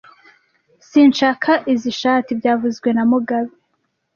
Sinshaka izoi shati byavuzwe na mugabe